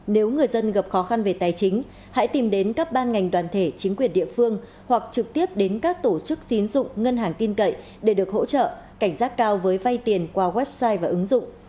nếu người dân gặp khó khăn về tài chính hãy tìm đến các ban ngành đoàn thể chính quyền địa phương hoặc trực tiếp đến các tổ chức tín dụng ngân hàng tin cậy để được hỗ trợ cảnh giác cao với vay tiền qua website và ứng dụng